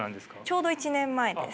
ちょうど１年前です。